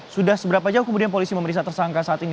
sudah seberapa jauh kemudian polisi memeriksa tersangka saat ini